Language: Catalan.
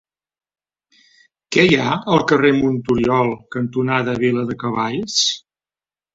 Què hi ha al carrer Monturiol cantonada Viladecavalls?